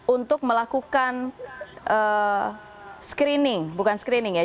untuk melakukan screening bukan screening ya